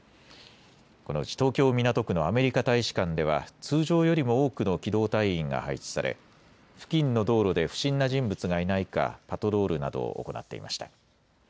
このうち東京港区のアメリカ大使館では通常よりも多くの機動隊員が配置され付近の道路で不審な人物がいないかパトロールなどを行っていました。